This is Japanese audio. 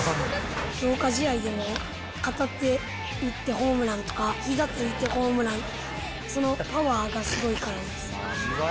強化試合でも、片手で打ってホームランとか、ひざついてホームラン、そのパワーがすごいからです。